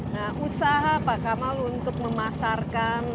nah usaha pak kamal untuk memasarkan